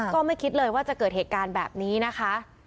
ก็ไม่คิดเลยว่าจะเกิดเหตุการณ์แบบนี้นะคะ